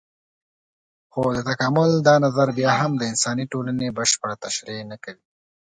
خو د تکامل دا نظر بيا هم د انساني ټولنې بشپړه تشرېح نه کوي.